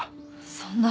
そんな。